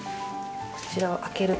こちらを開けると。